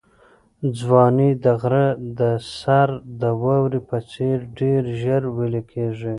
ځواني د غره د سر د واورې په څېر ډېر ژر ویلې کېږي.